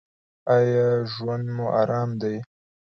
ایا ژوند مو ارام دی؟